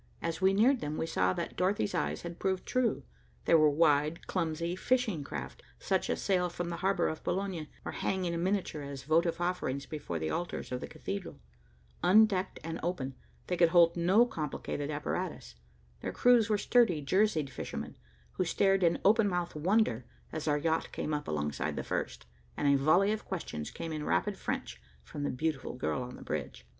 As we neared them, we saw that Dorothy's eyes had proved true. They were wide, clumsy, fishing craft, such as sail from the harbor of Boulogne, or hang in miniature as votive offerings before the altars of the cathedral. Undecked and open, they could hold no complicated apparatus. Their crews were sturdy, jerseyed fishermen, who stared in open mouthed wonder, as our yacht came up alongside the first, and a volley of questions came in rapid French from the beautiful girl on the bridge.